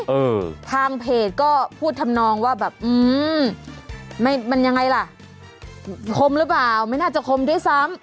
เออทางเพจก็พูดทำนองว่าแบบอืมไม่มันยังไงล่ะคมหรือเปล่าไม่น่าจะคมด้วยซ้ำ